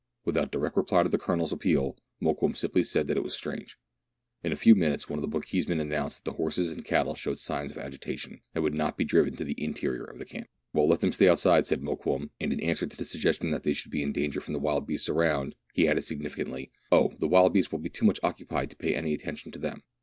Without direct reply to the Colonel's appeal, Mokoum simply said that it was strange. In a few minutes one of the Bochjesmen announced that M i62 meridiana; the adventures of the horses and cattle showed signs of agitation, and would not be driven to the interior of the camp. " Well, let them stay outside," said Mokoum ; and in answer to the suggestion that there would be danger from the wild beasts around, he added significantly, " Oh, the wild beasts will be too much occupied to pay any attention to them."